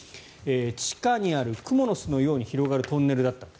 地下にあるクモの巣のように広がるトンネルだったと。